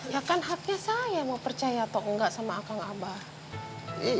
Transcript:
ya kan haknya saya mau percaya atau enggak sama akang abah